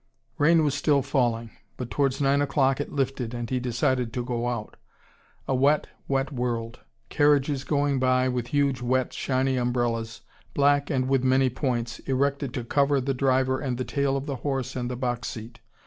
Rain was still falling. But towards nine o'clock it lifted, and he decided to go out. A wet, wet world. Carriages going by, with huge wet shiny umbrellas, black and with many points, erected to cover the driver and the tail of the horse and the box seat.